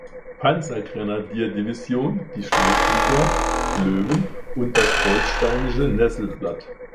Panzergrenadierdivision die Schleswiger Löwen und das holsteinische Nesselblatt.